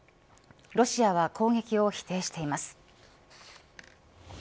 ロシアは攻撃を否定しています。